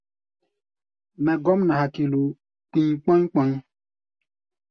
Mɛ gɔ́m nɛ hakilo, kpi̧i̧ kpɔ̧́í̧ kpɔ̧í̧.